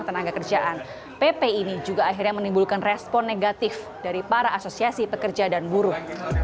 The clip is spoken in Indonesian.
tenaga kerjaan pp ini juga akhirnya menimbulkan respon negatif dari para asosiasi pekerja dan buruh